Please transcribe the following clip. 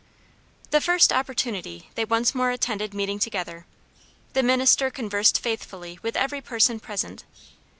The first opportunity they once more attended meeting together. The minister conversed faithfully with every person present.